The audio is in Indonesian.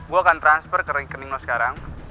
gue akan transfer ke rekening lo sekarang